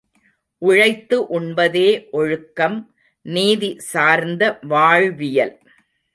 உழைத்து உண்பதே ஒழுக்கம் நீதி சார்ந்த வாழ்வியல்.